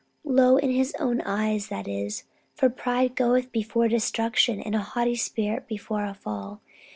Low in his own eyes, that is. For pride goeth before destruction, and a haughty spirit before a fall.